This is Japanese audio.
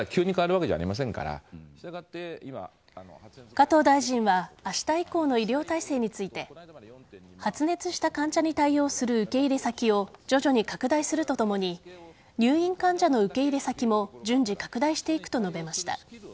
加藤大臣は明日以降の医療体制について発熱した患者に対応する受け入れ先を徐々に拡大するとともに入院患者の受け入れ先も順次拡大していくと述べました。